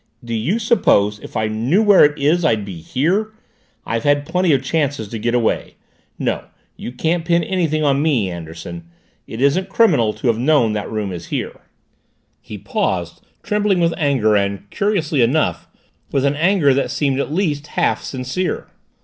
"Do you suppose if I knew where it is, I'd be here? I've had plenty of chances to get away! No, you can't pin anything on me, Anderson! It isn't criminal to have known that room is here." He paused, trembling with anger and, curiously enough, with an anger that seemed at least half sincere.